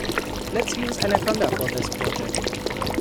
Let's use Anaconda for this project.